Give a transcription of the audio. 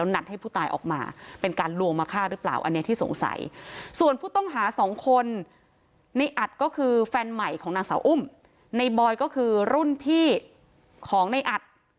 นี่คือแฟนใหม่ของหนังสาวอุ้มในบอยก็คือรุ่นพี่ของในอัด